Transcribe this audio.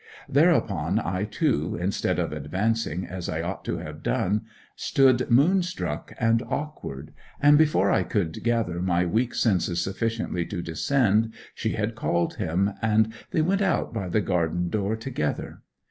Thereupon I, too, instead of advancing as I ought to have done, stood moonstruck and awkward, and before I could gather my weak senses sufficiently to descend, she had called him, and they went out by the garden door together.